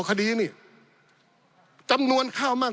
ปี๑เกณฑ์ทหารแสน๒